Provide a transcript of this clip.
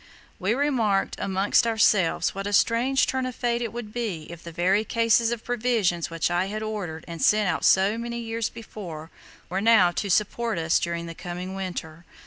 We remarked amongst ourselves what a strange turn of fate it would be if the very cases of provisions which I had ordered and sent out so many years before were now to support us during the coming winter.